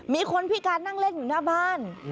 มีคนพิการนั่งเล่นอยู่หน้าบ้าน